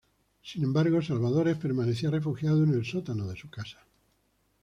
Sin embargo Salvadores permanecía refugiado en el sótano de su casa.